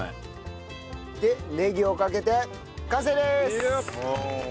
でネギをかけて完成です！